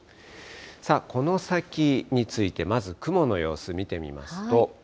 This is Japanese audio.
さあ、この先について、まず雲の様子見てみますと。